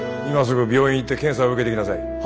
今すぐ病院行って検査を受けてきなさい。